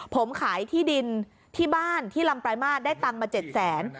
ผมขายที่ดินที่บ้านที่ลำปลายมาตรได้ตังค์มา๗แสน